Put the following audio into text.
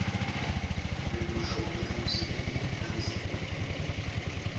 Le mur chaud rayonne aussi la nuit vers le ciel.